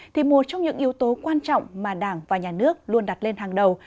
thì một trong những yếu tố quan trọng mà đảng và nhà nước luôn đặt lên hàng đầu